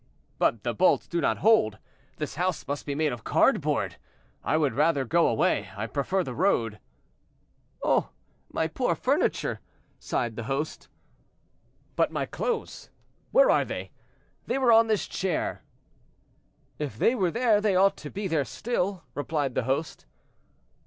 "But the bolts do not hold; this house must be made of card board. I would rather go away;—I prefer the road." "Oh! my poor furniture," sighed the host. "But my clothes! where are they? They were on this chair." "If they were there, they ought to be there still," replied the host.